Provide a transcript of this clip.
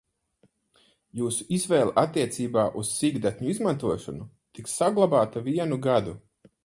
Jūsu izvēle attiecībā uz sīkdatņu izmantošanu tiks saglabāta vienu gadu.